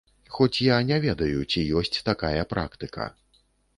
Хоць я не ведаю, ці ёсць такая практыка.